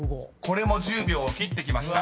［これも１０秒を切ってきました。